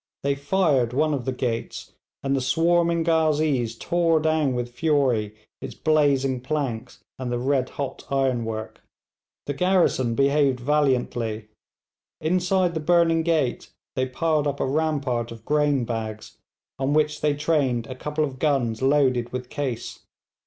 They fired one of the gates, and the swarming ghazees tore down with fury its blazing planks and the red hot ironwork. The garrison behaved valiantly. Inside the burning gate they piled up a rampart of grain bags, on which they trained a couple of guns loaded with case.